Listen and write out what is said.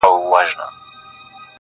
o نجلۍ له شرمه پټه ساتل کيږي,